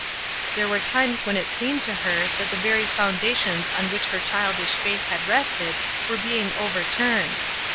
There were times when it seemed to her that the very foundations on which her childish faith had rested were being overturned.